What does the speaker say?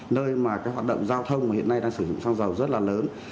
nơi mà hoạt động giao thông hiện nay đang sử dụng xăng dầu rất là lớn